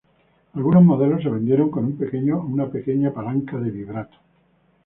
Algunos modelos se vendieron con una pequeña palanca de vibrato.